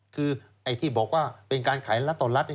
คือไอ้ที่บอกว่าเป็นการขายรัฐต่อรัฐ